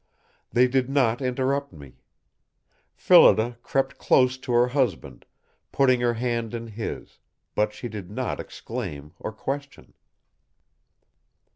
They did not interrupt me. Phillida crept close to her husband, putting her hand in his, but she did not exclaim or question.